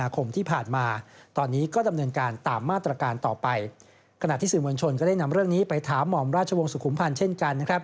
ขณะที่สื่อมวลชนก็ได้นำเรื่องนี้ไปถามหม่อมราชวงศ์สุขุมพันธ์เช่นกันนะครับ